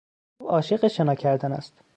او عاشق شنا کردن است.